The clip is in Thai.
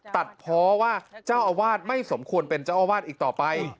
ตัดเพราะว่าเจ้าอาวาสไม่สมควรเป็นเจ้าอาวาสอีกต่อไป